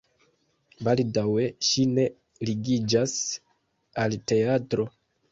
Baldaŭe ŝi ne ligiĝas al teatro.